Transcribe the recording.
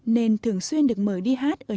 nên thường xuyên được mời đi hát ở nhiều nơi